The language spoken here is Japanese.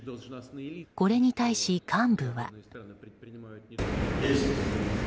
これに対し幹部は。